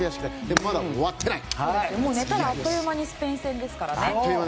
寝たらあっという間にスペイン戦ですからね。